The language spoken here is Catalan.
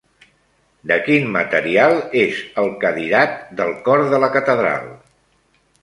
De quin material és el cadirat del cor de la catedral?